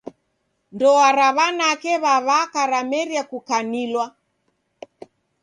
Ndoa ra w'ananake w'a w'aka ramerie kukanilwa.